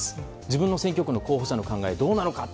自分の選挙区の候補者の考えがどうなのか？